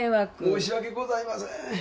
申し訳ございません。